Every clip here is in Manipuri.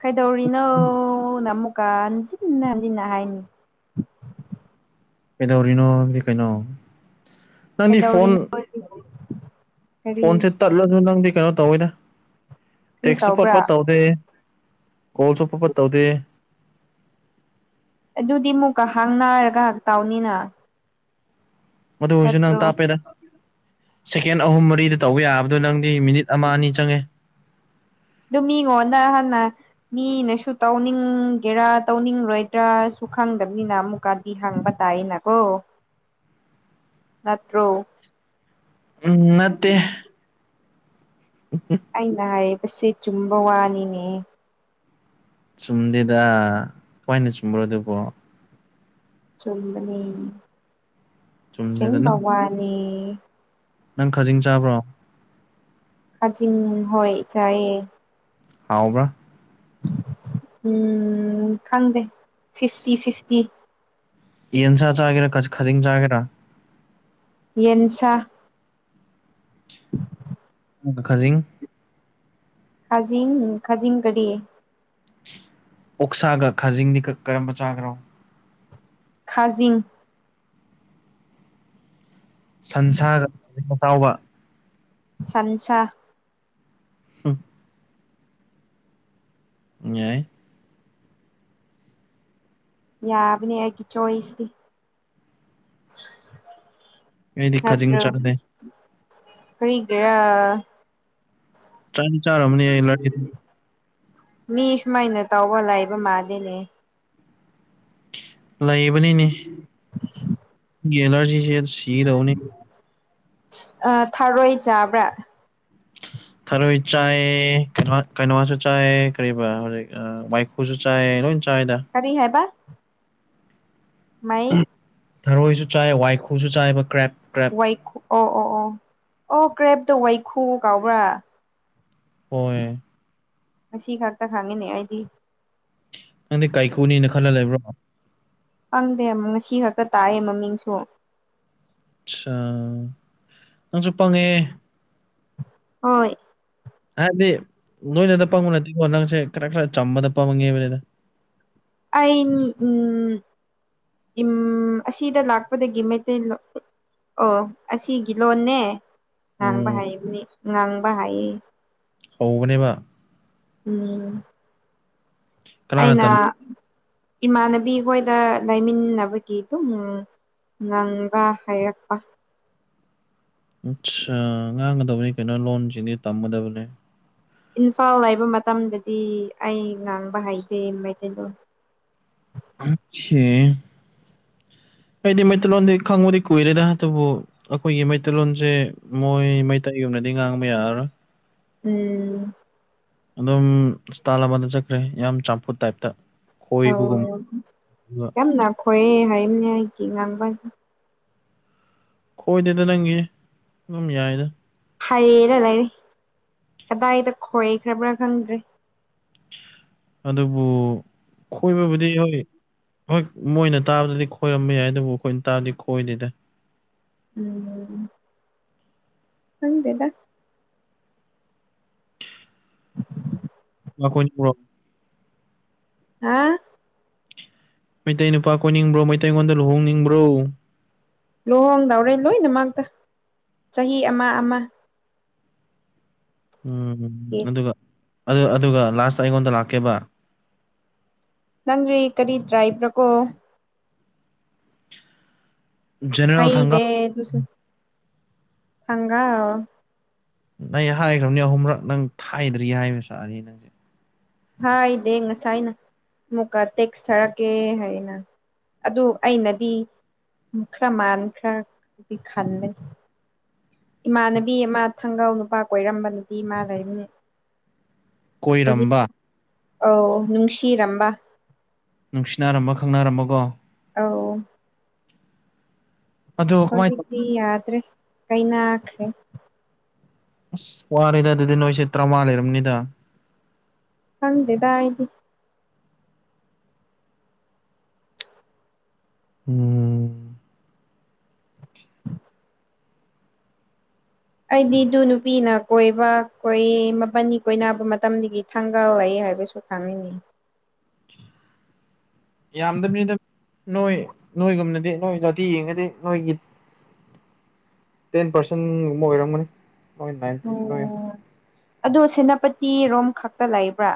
ꯀꯩꯗꯧꯔꯤꯅꯣꯅ ꯑꯃꯨꯛ ꯀꯥꯁꯤꯅ ꯍꯟꯖꯤꯟ ꯍꯟꯖꯤꯟꯅ ꯍꯥꯏꯅꯤ ꯑꯦꯗꯧꯔꯤꯅꯣ ꯍꯥꯏꯕꯗꯤ ꯀꯩꯅꯣ ꯅꯪꯗꯤ ꯐꯣꯟ ꯀꯩꯗꯧꯔꯤꯅꯣ ꯀꯔꯤ ꯐꯣꯟꯁꯦ ꯇꯠꯂꯁꯨ ꯅꯪꯗꯤ ꯀꯩꯅꯣ ꯇꯧꯋꯤꯗ ꯀꯔꯤ ꯇꯦꯛꯁꯁꯨ ꯐꯠ ꯇꯧꯕ꯭ꯔꯥ ꯐꯠ ꯇꯧꯗꯦ ꯀꯣꯜꯁꯨ ꯐꯠ ꯐꯠ ꯇꯧꯗꯦ ꯑꯗꯨꯗꯤ ꯃꯨꯛꯀꯥ ꯍꯥꯡꯅꯔꯒꯥ ꯇꯥꯎꯅꯤꯅ ꯃꯗꯨ ꯑꯣꯏꯁꯨ ꯅꯪ ꯇꯥꯞꯄꯦꯗ ꯁꯦꯀꯦꯟ ꯑꯍꯨꯝ ꯃꯔꯤꯗ ꯇꯧꯕ ꯌꯥꯕꯗꯣ ꯅꯪꯗꯤ ꯃꯤꯅꯤꯠ ꯑꯃ ꯑꯅꯤ ꯆꯪꯉꯦ ꯑꯗꯨ ꯃꯤꯉꯣꯟꯗ ꯍꯥꯟꯅ ꯃꯤꯅꯁꯨ ꯇꯧꯅꯤꯡꯒꯦꯔꯥ ꯇꯧꯅꯤꯡꯔꯣꯏꯗ꯭ꯔꯥꯁꯨ ꯈꯪꯗꯕꯅꯤꯅ ꯑꯃꯨꯛꯀꯥ ꯍꯪꯕ ꯇꯥꯏꯅꯀꯣ [inaudible] ꯅꯠꯇ꯭ꯔꯣ ꯎꯝ ꯅꯠꯇꯦ ꯎꯝ ꯑꯩꯅ ꯍꯥꯏꯕꯁꯤ ꯆꯨꯝꯕ ꯋꯥꯅꯤꯅꯦ ꯆꯨꯝꯗꯦꯗ ꯍꯣꯏꯅ ꯆꯨꯝꯕ꯭ꯔꯣ ꯑꯗꯨꯕꯣ ꯆꯨꯝꯕꯅꯤ ꯆꯨꯝꯗꯦꯗ ꯁꯤꯡꯕ ꯅꯪ ꯋꯥꯅꯤ ꯅꯪ ꯈꯥꯖꯤꯡ ꯆꯥꯕ꯭ꯔꯣ ꯈꯥꯖꯤꯡ ꯍꯣꯏ ꯆꯥꯏꯌꯦ ꯍꯥꯎꯕ꯭ꯔꯥ ꯎꯝ ꯈꯪꯗꯦ ꯐꯤꯐꯇꯤ ꯐꯤꯐꯇꯤ ꯌꯦꯟꯁꯥ ꯆꯥꯒꯦꯔꯥ ꯈꯖꯤꯡ ꯆꯥꯒꯦꯔꯥ ꯌꯦꯟꯁꯥ ꯈꯖꯤꯡ ꯈꯥꯖꯤꯡ ꯈꯥꯖꯤꯡ ꯀꯔꯤ ꯑꯣꯛꯁꯥꯒ ꯈꯥꯖꯤꯡꯗꯤ ꯀꯔꯝꯕ ꯆꯥꯒ꯭ꯦꯔꯣ ꯈꯥꯖꯤꯡ ꯁꯟꯁꯥꯒ [unintelligible] ꯇꯥꯎꯕ ꯁꯟꯁꯥ ꯍꯝ ꯌꯥꯏ ꯌꯥꯕꯅꯦ ꯑꯩꯒꯤ ꯆꯣꯏꯁꯅꯤ ꯑꯩꯗꯤ ꯈꯖꯤꯡ ꯍꯥꯠꯇ꯭ꯔꯣ ꯆꯥꯗꯦ ꯀꯔꯤꯒꯤꯔꯥ ꯇꯟ ꯆꯥꯔꯝꯃꯅꯤꯍꯦ [unintelligible] ꯃꯤ ꯁꯨꯃꯥꯏꯅ ꯇꯥꯎꯕ ꯂꯩꯕ ꯃꯥꯜꯂꯤꯅꯦ ꯂꯩꯕꯅꯤꯅꯦ ꯑꯦꯂꯔꯖꯤꯁꯦ ꯁꯤꯗꯧꯅꯤ ꯑꯥ ꯊꯥꯔꯣꯏ ꯆꯕ꯭ꯔꯥ ꯊꯔꯣꯏ ꯆꯥꯏ ꯀꯩꯅꯣ ꯀꯩꯅꯣꯁꯨ ꯆꯥꯏ ꯀꯔꯤꯕ ꯍꯧꯖꯤꯛ ꯋꯥꯏꯈꯨꯁꯨ ꯆꯥꯏ ꯂꯣꯏ ꯆꯥꯏꯗ ꯀꯔꯤ ꯍꯥꯏꯕ ꯃꯩ ꯊꯔꯣꯏꯁꯨ ꯆꯥꯏ ꯋꯥꯏꯈꯨꯁꯨ ꯆꯥꯏꯕ ꯀ꯭ꯔꯦꯞ ꯀ꯭ꯔꯦꯞ ꯋꯥꯏꯈꯨ ꯑꯣ ꯑꯣ ꯑꯣ ꯑꯣ ꯀ꯭ꯔꯦꯞꯇꯣ ꯋꯥꯏꯈꯨ ꯀꯥꯎꯕ꯭ꯔꯥ ꯍꯣꯏ ꯉꯁꯤ ꯈꯛꯇ ꯈꯪꯉꯦꯅꯦ ꯑꯩꯗꯤ ꯅꯪꯗꯤ ꯀꯥꯏꯀꯨꯅꯤꯅ ꯈꯜꯂ ꯂꯩꯕ꯭ꯔꯣ ꯈꯪꯗꯦ ꯃꯝ ꯉꯁꯤ ꯈꯛꯇ ꯇꯥꯛꯌꯦ ꯃꯃꯤꯡꯁꯨ ꯑꯠꯁꯥ ꯅꯪꯁꯨ ꯄꯪꯉꯦꯍꯦ ꯍꯣꯏ ꯍꯥꯏꯕꯗꯤ ꯅꯣꯏꯅꯗ ꯄꯪꯕ ꯅꯠꯇꯦꯀꯣ ꯅꯪꯁꯦ ꯈꯔ ꯈꯔ ꯆꯝꯕꯗ ꯄꯪꯉꯦꯕꯅꯤꯗ ꯑꯩ ꯎꯝ ꯑꯝ ꯑꯁꯤꯗ ꯂꯥꯛꯄꯗꯒꯤ ꯃꯩꯇꯩ ꯂꯣꯟ ꯑꯣ ꯑꯁꯤꯒꯤ ꯂꯣꯟꯅꯦ ꯉꯥꯡꯕ ꯎꯝ ꯍꯩꯒꯅꯤ ꯉꯥꯡꯕ ꯍꯩꯌꯦ ꯍꯕꯅꯦꯕ ꯎꯝ ꯀꯅꯥꯅ ꯑꯩꯅ ꯇꯝ ꯏꯃꯥꯟꯅꯕꯤ ꯍꯣꯏꯗ ꯂꯩꯃꯤꯟꯅꯕꯒꯤ ꯑꯗꯨꯝ ꯅꯪꯕ ꯍꯥꯏꯔꯛꯄ ꯑꯠ ꯉꯥꯡꯒꯗꯕꯅꯤ ꯀꯩꯅꯣ ꯂꯣꯟꯁꯤꯡꯗꯤ ꯇꯝꯒꯗꯕꯅꯦ ꯏꯝꯐꯥꯜ ꯂꯩꯕ ꯃꯇꯝꯗꯗꯤ ꯑꯩ ꯉꯥꯡꯕ ꯍꯩꯇꯦ ꯃꯩꯇꯩꯇꯩꯗꯣ ꯑꯦ ꯑꯩꯗꯤ ꯃ ꯆꯂꯣꯗꯤ ꯈꯪꯉꯗꯤ ꯀꯣꯏꯔꯦꯗ ꯍꯥꯕꯨꯣ ꯑꯩꯈꯣꯏꯒꯤ ꯃꯩꯇꯩꯂꯣꯟꯁꯦ ꯃꯣꯏ ꯃꯩꯇꯩ ꯌꯨꯝꯅꯗꯤ ꯉꯥꯡꯕ ꯌꯥꯔꯔꯣꯏ ꯎꯝ ꯑꯗꯨꯝ ꯏꯁꯇꯥꯜ ꯑꯃꯗ ꯆꯠꯈ꯭ꯔꯦ ꯌꯥꯝ ꯆꯝꯐꯨꯠ ꯇꯥꯏꯞꯇ ꯑ ꯈꯣꯏꯕꯒꯨꯝ ꯌꯥꯝꯅꯈꯣꯏꯑꯦ ꯍꯥꯏꯝꯅꯦ ꯑꯩꯒꯤ ꯉꯥꯡꯕꯁꯨ ꯈꯣꯏꯗꯦꯗ ꯅꯪꯒꯤ ꯑꯗꯨꯝ ꯌꯥꯏꯅ ꯍꯩꯔ ꯂꯩꯔꯤ ꯀꯗꯥꯏꯗ ꯈꯣꯏꯈ꯭ꯔꯕ꯭ꯔꯥ ꯈꯪꯗ꯭ꯔꯦ ꯑꯗꯨꯕꯨ ꯈꯣꯏꯕꯕꯨꯗꯤ ꯌꯣꯛ ꯑꯦ ꯍꯣꯏ ꯃꯣꯏꯅ ꯇꯥꯕꯗꯗꯤ ꯈꯣꯏꯔꯝꯕ ꯌꯥꯏ ꯑꯗꯨꯕꯨ ꯑꯩꯈꯣꯏꯅ ꯇꯥꯕꯗꯤ ꯈꯣꯏꯗꯦꯗ ꯎꯝ ꯍꯪꯗꯦꯗ ꯀꯣꯏꯣ ꯍꯥ ꯃꯩꯇꯩ ꯅꯨꯄꯥ ꯀꯣꯏꯅꯤꯡꯕ꯭ꯔꯣ ꯃꯩꯇꯩꯉꯣꯟꯗ ꯂꯨꯍꯣꯡꯅꯤꯡꯕ꯭ꯔꯣ ꯂꯨꯍꯣꯡꯗꯎꯔꯦ ꯂꯣꯏꯅꯃꯛꯇ ꯆꯍꯤ ꯑꯃ ꯑꯃ ꯎꯝ ꯑꯗꯨꯒ ꯑꯗꯨ ꯑꯗꯨꯒ ꯂꯥꯁꯇ ꯑꯩꯉꯣꯟꯗ ꯂꯥꯛꯀꯦꯕ ꯅꯪꯔꯤ ꯀꯔꯤ ꯇ꯭ꯔꯥꯏꯕ꯭ꯔꯥꯀꯣ ꯖꯦꯅꯔꯦꯜ ꯊꯪꯒꯥ ꯍꯩꯗꯦ ꯑꯗꯨꯁꯨ ꯍꯪꯒꯥꯝ ꯅꯩ ꯍꯥꯏꯈ꯭ꯔꯕꯅꯤ ꯑꯍꯨꯝꯔꯛ ꯅꯪ ꯊꯥꯏꯗ꯭ꯔꯤ ꯍꯥꯏꯕ ꯁꯥꯔꯤꯌꯦ ꯅꯪ ꯍ ꯏ ꯗꯦ ꯉꯁꯥꯏꯅ ꯃꯨꯀꯇ ꯁ ꯀꯦ ꯍꯥꯏꯅ ꯑꯗꯨ ꯑꯩꯅꯗꯤ ꯈꯔ ꯃꯥꯟ ꯈ꯭ꯔ ꯗꯤ ꯈꯜꯂꯦ ꯏꯃꯥꯟꯅꯕꯤ ꯑꯃ ꯊꯥꯡꯒꯜ ꯅꯨꯄꯥ ꯀꯣꯏꯔꯝꯕ ꯅꯨꯄꯤ ꯏ ꯃꯥꯥ ꯂꯩꯕꯅꯦ ꯍꯧꯖꯤ ꯀꯣꯏꯔꯝꯕ ꯑꯥꯎ ꯅꯨꯡꯁꯤꯔꯝꯕ ꯅꯨꯡꯁꯤꯅꯔꯝꯃ ꯈꯪꯅꯔꯝꯃꯒꯣ ꯑꯧ ꯑꯗꯣ ꯀꯃꯥꯏꯅ ꯇꯧ ꯍꯧꯖꯤꯛꯇꯤ ꯌꯥꯗ꯭ꯔꯦ ꯀꯥꯢꯅꯈ꯭ꯔꯦ ꯑꯁ ꯋꯥꯔꯤꯔꯗ ꯑꯗꯨꯗꯤ ꯅꯣꯏꯁꯦ ꯇꯔꯥꯃꯉꯥ ꯂꯩꯔꯝꯅꯤꯗ ꯍꯪꯗꯦꯗ ꯑꯩꯗꯤ ꯎꯝ ꯑꯩꯗꯤ ꯑꯗꯨ ꯅꯨꯄꯤꯅ ꯀꯣꯏꯕ ꯀꯣꯏꯌꯦ ꯃꯄꯟꯅꯤ ꯀꯣꯏꯅꯕ ꯃꯇꯝꯗꯒꯤ ꯊꯥꯡꯒꯥꯜ ꯂꯩ ꯍꯥꯏꯕꯁꯨ ꯊꯥꯡꯤꯅꯤ ꯌꯥꯝꯗꯕꯅꯤꯗ ꯅꯣꯏ ꯅꯣꯏꯒꯨꯝꯅꯗꯦ ꯅꯣꯏ ꯖꯥꯇꯤ ꯌꯦꯡꯉꯗꯤ ꯅꯣꯏꯒꯤ ꯇꯦꯟ ꯄꯥꯔꯁꯦꯟꯒꯨꯝꯕ ꯑꯣꯏꯔꯝꯒꯅꯤ ꯅꯣꯏ ꯅꯥꯏꯟꯇꯤ ꯅꯣꯏ ꯎꯝ ꯑꯗꯨꯣ ꯁꯦꯅꯥꯄꯇꯤꯔꯣꯝ ꯈꯛꯇ ꯂꯩꯕ꯭ꯔꯥ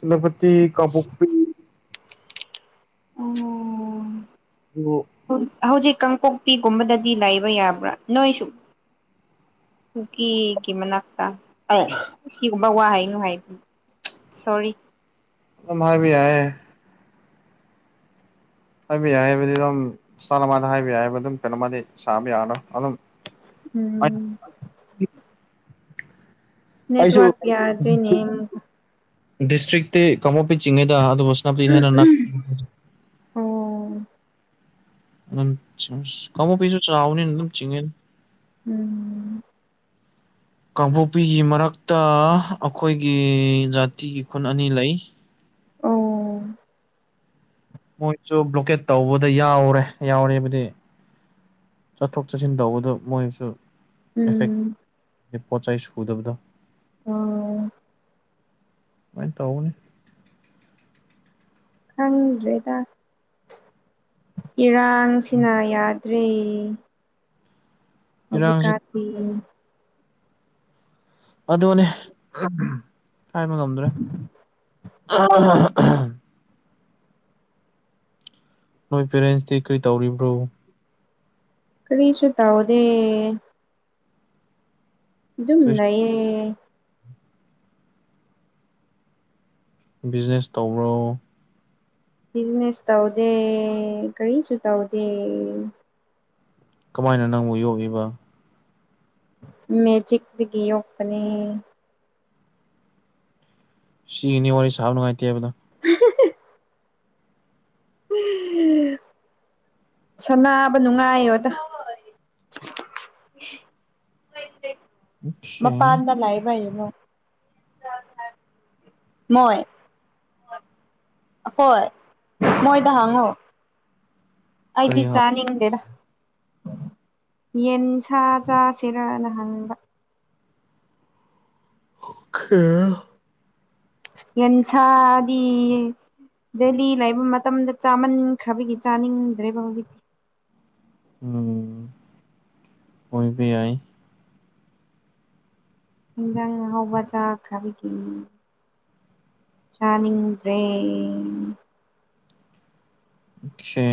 ꯁꯦꯅꯥꯄꯇꯤ ꯀꯥꯡꯕꯨꯣꯛꯄꯤ ꯑꯣ ꯎ ꯍꯧꯖꯤꯛ ꯀꯥꯡꯄꯣꯛꯄꯤꯒꯨꯝꯕꯗꯗꯤ ꯂꯩꯕ ꯌꯥꯕ꯭ꯔꯥ ꯅꯣꯏꯁꯨ ꯀꯨꯀꯤꯒꯤ ꯃꯅꯥꯛꯇ ꯑ ꯁꯤꯒꯨꯝꯕ ꯋꯥ ꯍꯥꯏꯅꯣ ꯍꯥꯏ ꯁꯣꯔꯤ ꯃꯍꯥꯛꯕꯤ ꯌꯥꯏꯌꯦ ꯍꯥꯏꯕꯤ ꯌꯥꯏ ꯍꯥꯏꯕꯗꯤ ꯑꯗꯨꯝ ꯁ ꯑꯃꯗ ꯍꯥꯏꯕ ꯌꯥꯏ ꯍꯥꯏꯕ ꯑꯗꯨꯝ ꯐꯤꯂꯝꯃꯗꯤ ꯁꯥꯕ ꯌꯥꯔꯣꯏ ꯑꯗꯨꯝ ꯎꯝꯝ ꯑꯩꯁꯨ ꯅꯦꯠꯋꯥꯔꯛ ꯌꯥꯗ꯭ꯔꯦꯅꯦ ꯗꯤꯁꯇ꯭ꯔꯤꯛꯇꯤ ꯀꯃꯣꯄꯤ ꯆꯤꯡꯉꯤꯗ ꯑꯗꯨ ꯍꯦꯟꯅꯅꯥ ꯑꯣ ꯀꯥꯡꯄꯣꯛꯄꯤꯁꯨ ꯆꯥꯎꯕꯅꯦ ꯑꯗꯨꯝ ꯆꯤꯡꯉꯦꯅꯤ ꯎꯝ ꯀꯥꯡꯄꯣꯛꯄꯤꯒꯤ ꯃꯔꯛꯇ ꯑꯩꯈꯣꯏꯒꯤ ꯖꯥꯇꯤꯒꯤ ꯈꯨꯟ ꯑꯅꯤ ꯂꯩ ꯑꯣ ꯃꯣꯏꯁꯨ ꯕ꯭ꯂꯣꯀꯦꯠ ꯇꯧꯕꯗ ꯌꯥꯎꯔꯦ ꯌꯥꯎꯔꯦꯕꯗꯤ ꯆꯠꯊꯣꯛ ꯆꯠꯁꯤꯟ ꯇꯧꯕꯗ ꯃꯣꯏꯁꯨ ꯑꯦꯐꯦꯛ ꯎꯝ ꯄꯣꯠ ꯆꯩ ꯁꯨꯗꯕꯗꯣ ꯑꯣ ꯃꯥꯢ ꯇꯧꯕꯅꯦ ꯈꯪꯗ꯭ꯔꯦꯗ ꯏꯔꯥꯡꯁꯤꯅ ꯌꯥꯗ꯭ꯔꯦ ꯍꯧꯖꯤꯛ ꯏꯔꯥꯡꯁꯤ ꯀꯥꯟꯗꯤ ꯑꯗꯨꯅꯤ ꯍꯥꯏꯕ ꯉꯝꯗ꯭ꯔꯦ [unintelligible] ꯅꯣꯏ ꯄꯦꯔꯦꯟꯁꯇꯤ ꯀꯔꯤ ꯇꯧꯔꯤꯕ꯭ꯔꯣ ꯀꯔꯤꯁꯨ ꯇꯧꯗꯦ ꯑꯗꯨꯝ ꯀꯔꯤ ꯂꯩꯌꯦ ꯕꯤꯖꯤꯅꯦꯁ ꯇꯧꯕ꯭ꯔꯣ ꯕꯤꯖꯤꯅꯦꯁ ꯇꯧꯗꯦ ꯀꯔꯤꯁꯨ ꯇꯧꯗꯦ ꯀꯃꯥꯏꯅ ꯅꯪꯕꯨ ꯌꯣꯛꯂꯤꯕ ꯃꯦꯖꯤꯛ ꯇꯒꯤ ꯌꯣꯛꯄꯅꯦ ꯁꯤꯒꯤꯅꯤ ꯋꯥꯔꯤ ꯁꯥꯕ ꯅꯨꯉꯥꯏꯇꯦ ꯍꯥꯏꯕꯗꯣ ꯍ [unintelligible] [unintelligible] ꯁꯅꯥꯕ ꯅꯨꯡꯉꯥꯌꯣꯗ ꯑꯣꯀꯦ ꯃꯄꯥꯟꯗ ꯂꯩꯕ ꯌꯦꯡꯉꯣ ꯃꯣꯏ ꯍꯣꯏ ꯃꯣꯏꯗ ꯍꯉꯣ ꯀꯔꯤ ꯑꯩꯗꯤ ꯆꯅꯤꯡꯗꯦꯗ ꯌꯦꯟꯆꯥꯥ ꯆ ꯁꯤꯔ ꯅ ꯂꯍꯪꯕ ꯑꯣꯈꯦ ꯌꯦꯟꯁꯥꯗꯤ ꯗꯦꯂꯤ ꯂꯩꯕ ꯃꯇꯝꯗ ꯆꯥꯃꯟꯈ꯭ꯔꯕꯒꯤ ꯆꯥꯅꯤꯡꯗ꯭ꯔꯦꯕ ꯍꯧꯖꯤꯛꯇꯤ ꯎꯝ ꯍꯣꯏꯕ ꯌꯥꯏ ꯌꯦꯟꯖꯥꯡ ꯑꯍꯥꯎꯕ ꯆꯥꯈꯕꯤꯒꯤ ꯆꯥꯅꯤꯗ꯭ꯔꯦ ꯑꯣꯀꯦ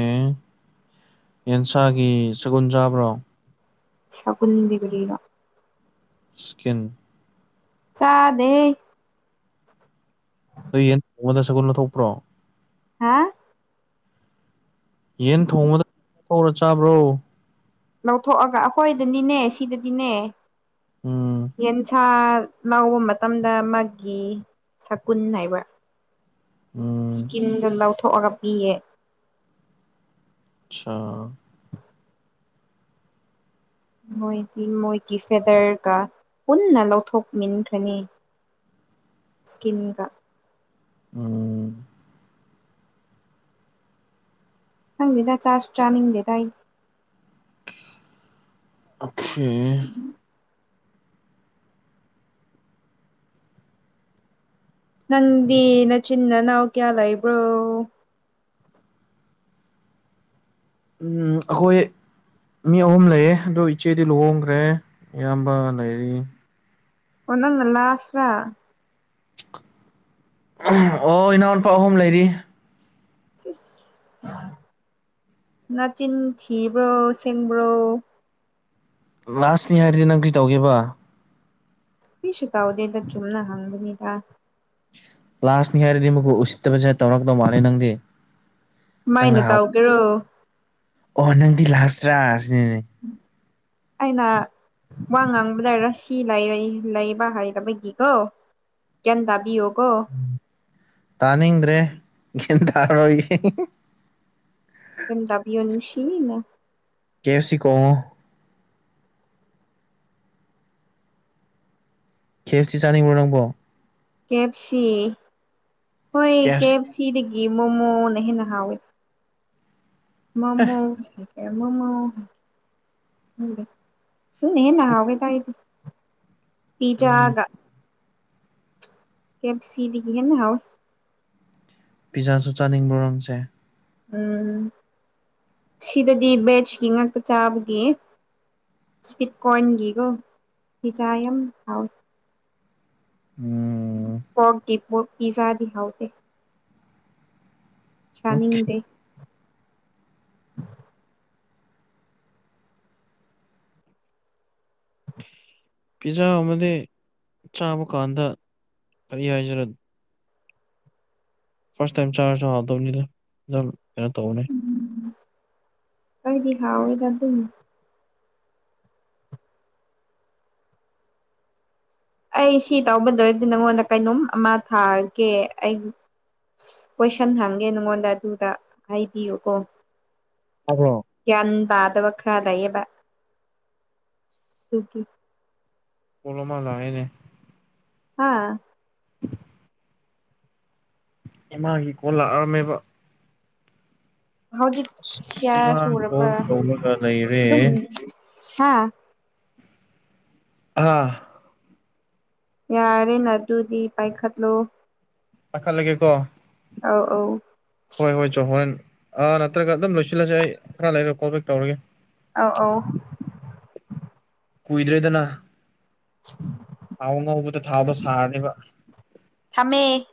ꯌꯦꯟꯁꯥꯒꯤ ꯁꯒꯨꯜ ꯆꯥꯕ꯭ꯔꯣ ꯁꯒꯨꯟꯗꯤ ꯀꯔꯤꯔ ꯁ꯭ꯀꯤꯟ ꯆꯥꯗꯦ ꯑꯗꯨ ꯌꯦꯟ ꯅꯣꯡꯉꯣꯟꯗ ꯁꯒꯨꯜ ꯂꯧꯊꯣꯛꯄ꯭ꯔꯣ ꯍꯥ ꯌꯦꯟ ꯊꯣꯡꯕꯗ ꯊꯧꯔ ꯆꯥꯕ꯭ꯔꯣ ꯂꯧꯊꯣꯛꯑꯒ ꯑꯩꯈꯣꯏꯗꯅꯤꯅꯦ ꯁꯤꯗꯗꯤꯅꯦ ꯎꯝ ꯌꯦꯟꯁꯥ ꯂꯥꯎꯕ ꯃꯇꯝꯗ ꯃꯥꯒꯤ ꯁꯀꯨꯟ ꯍꯥꯏꯕ ꯎꯝ ꯏꯁꯀꯤꯟꯗꯣ ꯂꯧꯊꯣꯛꯑꯒ ꯄꯤꯌꯦ ꯑꯆꯥꯥ ꯃꯣꯏꯗꯤ ꯃꯣꯏꯒꯤ ꯐꯦꯗꯔꯒ ꯄꯨꯟꯅ ꯂꯧꯊꯣꯛꯃꯤꯟꯈ꯭ꯔꯅꯤ ꯏꯁꯀꯤꯟꯒ ꯎꯝ ꯈꯪꯗꯦꯗ ꯆꯥꯔꯁꯨ ꯆꯥꯅꯤꯡꯗꯦꯗ ꯑꯩ ꯑꯣꯈꯦ ꯅꯪꯗꯤ ꯅꯆꯤꯟ ꯅꯅꯥꯑꯣ ꯀꯌꯥꯂ ꯏꯕ꯭ꯔꯣ ꯎꯝ ꯑꯩꯈꯣꯏ ꯃꯤ ꯑꯍꯨꯝ ꯂꯩꯌꯦ ꯑꯗꯣ ꯏꯆꯦꯗꯤ ꯂꯨꯍꯣꯡꯈ꯭ꯔꯦ ꯑꯌꯥꯝꯕ ꯂꯩꯔꯤ ꯑꯣꯟꯅꯅ ꯂ ꯑꯁꯔ ꯑꯣ ꯏꯅꯥꯎꯎꯄꯥ ꯑꯍꯨꯝ ꯂꯩꯔꯤ ꯅꯆꯤꯟ ꯊꯤꯕ꯭ꯔꯣ ꯁꯦꯡꯕ꯭ꯔꯣ ꯂꯥꯁꯅꯤ ꯍꯥꯏꯔꯗꯤ ꯅꯪ ꯀ ꯇꯧꯒꯦꯕ ꯃꯤꯁꯨ ꯀꯥꯎꯗꯦꯗ ꯆꯨꯝꯅ ꯍꯪꯕꯅꯤꯗ ꯀ꯭ꯂꯥꯁꯅꯤ ꯍꯥꯏꯔꯗꯤ ꯃ ꯎꯁꯤꯠꯇꯕꯁꯦ ꯇꯧꯔꯛꯇꯕ ꯃꯥꯂꯦ ꯅꯪꯗꯤ ꯅꯪꯅ ꯀꯃꯥꯏꯅ ꯍꯥꯎ ꯇꯧꯒꯦꯔꯣ ꯑꯣ ꯅꯪꯗꯤ ꯂꯥꯁ꯭ꯔꯥ ꯑꯁꯤꯅꯤꯅꯦ ꯑꯩꯅ ꯋꯥ ꯉꯥꯡꯕꯗ ꯔꯁꯤ ꯂꯩꯕ ꯍꯥꯏꯩꯕꯒꯤꯀꯣ ꯒ꯭ꯌꯥꯟ ꯇꯥꯕꯤꯌꯣꯀꯣ ꯇꯥꯅꯤꯡꯗ꯭ꯔꯦ ꯌꯦꯟ ꯇꯥꯔꯣꯏꯒ ꯀꯗꯕꯤ ꯑꯣꯅꯅꯨꯡꯁꯤꯅ ꯀꯦꯞꯁꯤ ꯀꯣ ꯈꯦꯞꯁꯤ ꯆꯥꯅꯤꯡꯕꯣ ꯅꯪꯕꯣ ꯀꯦ ꯑꯦꯐ ꯁꯤ ꯍꯣꯏ ꯀꯦ ꯑꯦꯐ ꯁꯤꯗꯒꯤ ꯃꯣꯃꯣꯅ ꯍꯦꯟꯅ ꯍꯥꯎꯋꯦ ꯃꯣꯃꯣꯁ ꯃꯣꯃꯣ ꯎꯅ ꯅ ꯍꯋꯦꯗꯥꯏꯗꯤ ꯎꯝ ꯄꯤꯖꯒ ꯀꯦ ꯁꯤꯗꯒꯤ ꯀꯅ ꯍꯥꯎ ꯄꯤꯖꯥꯁꯨ ꯆꯥꯅꯤꯡꯕꯔꯣ ꯅꯡꯁꯦ ꯎꯝ ꯁꯤꯗꯗꯤ ꯕꯦꯁꯀꯤ ꯉꯥꯛꯇ ꯆꯥꯕꯒꯤ ꯁꯥꯏꯠ ꯀꯣꯔꯅ ꯒꯤꯒꯣ ꯐꯤꯖꯥ ꯌꯥꯝ ꯍꯥꯎ ꯎꯝ ꯄꯣꯛꯗꯤ ꯄꯤꯖꯥ ꯗꯤ ꯍꯥꯎꯗ ꯁꯅꯤꯗꯦ ꯄꯤꯖꯥ ꯑꯃꯗꯤ ꯆꯥꯕ ꯀꯥꯟꯗ ꯀꯔꯤ ꯍꯥꯏꯖꯔꯦ ꯐꯥꯔꯁ ꯇꯥꯏꯝ ꯆꯥꯔꯖ ꯍꯗꯧꯅꯤꯗ ꯑꯗꯨꯝ ꯀꯩꯅꯣ ꯇꯧꯅꯤ ꯑꯩꯗꯤ ꯍꯥꯎꯏꯗ ꯑꯗꯨꯝ ꯑꯩ ꯁꯤ ꯇꯧꯒꯗꯣꯕꯗꯤ ꯅꯪꯉꯣꯟꯗ ꯀꯩꯅꯣꯝ ꯑꯃ ꯊꯥꯒꯦ ꯑꯩ ꯀꯣꯏꯁꯟ ꯍꯪꯒꯦ ꯅꯉꯣꯟꯗ ꯑꯗꯨꯗ ꯍꯥꯏꯕꯤꯌꯨ ꯀꯣ ꯑꯣ ꯌꯥꯝꯟ ꯄꯥꯗꯕꯈ꯭ꯔꯗꯌꯦꯕ ꯇ ꯄꯂꯃꯥ ꯂꯑꯦꯅꯦ ꯍꯥꯥ ꯏꯃꯥꯒꯤ ꯀꯣ ꯂꯥꯛꯑꯔꯝꯃꯦꯕ ꯍꯧꯖꯤꯛ ꯑꯁ ꯀꯌꯥ ꯏꯃꯥ ꯀꯣꯜ ꯁꯨꯔꯕ꯭ꯔꯥ ꯇꯧꯔꯒ ꯂꯩꯔꯦ ꯑꯗꯨꯝ ꯍꯥ ꯑꯥ ꯌꯥꯔꯦꯅꯦ ꯑꯗꯨꯗꯤ ꯄꯥꯏꯈꯠꯂꯣ ꯄꯈ ꯂꯒꯦ ꯀꯣ ꯑꯧ ꯑꯧ ꯍꯣꯏ ꯍꯣꯏ ꯆ ꯍꯣꯔꯦꯟꯥ ꯅꯠꯇ꯭ꯔꯒ ꯑꯗꯨꯝ ꯂꯣꯏꯁꯤꯜꯂꯁꯦ ꯑꯩ ꯈꯔ ꯂꯩꯔꯒ ꯀꯣꯜ ꯕꯦꯛ ꯇꯧꯔꯒꯦ ꯑꯥꯎ ꯑꯧ ꯀꯨꯏꯗ꯭ꯔꯦꯗꯅ ꯎ [unintelligible] ꯊꯥꯎ ꯉꯧꯕꯗ ꯊꯥꯎꯗꯣ ꯁꯥꯔꯅꯤꯕ ꯊꯃꯦ